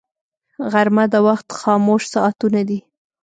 غرمه د وخت خاموش ساعتونه دي